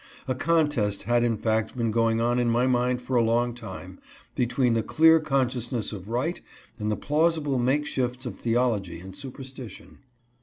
A contest had in fact been going on in my mind for a long time, between the clear con sciousness of right and the plausible make shifts of theol ogy and superstition.